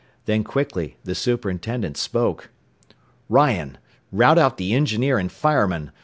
Then quickly the superintendent spoke. "Ryan, rout out the engineer and firemen!